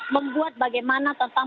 membuat bagaimana tentang